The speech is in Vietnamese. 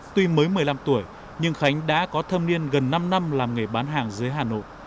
tuy mới một mươi năm tuổi nhưng khánh đã có thâm niên gần năm năm làm nghề bán hàng dưới hà nội